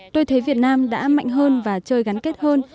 tôi thấy việt nam đã mạnh hơn và chơi gắn kết hơn